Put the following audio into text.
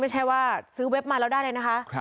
ไม่ใช่ว่าซื้อเว็บมาแล้วได้เลยนะคะ